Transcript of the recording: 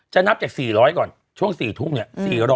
นับจาก๔๐๐ก่อนช่วง๔ทุ่มเนี่ย